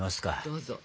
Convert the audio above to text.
どうぞ。